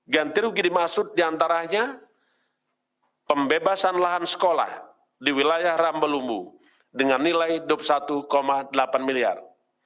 ganti rugi dimaksud diantaranya pembebasan lahan sekolah di wilayah rambelumbu dengan nilai rp dua puluh satu delapan miliar